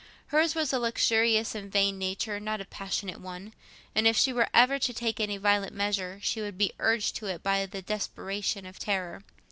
Hers was a luxurious and vain nature—not a passionate one—and if she were ever to take any violent measure, she must be urged to it by the desperation of terror.